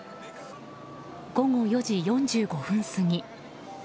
午後４時４５分過ぎ。